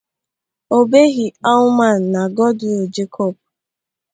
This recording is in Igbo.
Obehi Owman na Godwill Jacob.